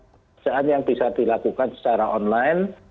pekerjaan yang bisa dilakukan secara online